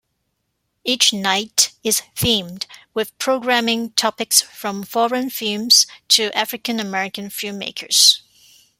Each night is themed, with programming topics from foreign films to African-American filmmakers.